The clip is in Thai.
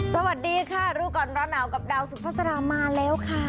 สวัสดีค่ะรู้ก่อนร้อนหนาวกับดาวสุภาษามาแล้วค่ะ